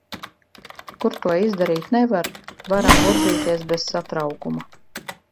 Kur to izdarīt nevar, varam burzīties bez satraukuma.